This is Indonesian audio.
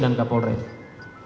terima kasih dan sampai jumpa